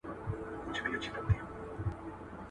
چي مرام او هدف يې يواځي